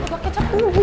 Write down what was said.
tugas kecap tuh bu